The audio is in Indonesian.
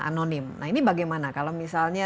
anonim nah ini bagaimana kalau misalnya